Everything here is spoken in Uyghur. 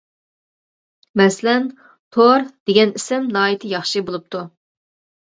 مەسىلەن، «تور» دېگەن ئىسىم ناھايىتى ياخشى بولۇپتۇ.